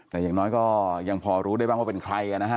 แต่อย่างน้อยก็ยังพอรู้ได้บ้างว่าเป็นใครนะฮะ